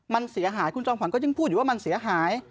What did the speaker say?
มันเสียหายคุณจอมขวัญก็ยังพูดอยู่ว่ามันเสียหาย